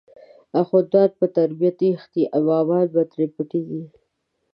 اخوندان به ترینه تښتی، امامان به تری پټیږی